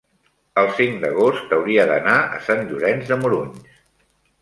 el cinc d'agost hauria d'anar a Sant Llorenç de Morunys.